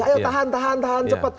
ayo tahan tahan tahan cepat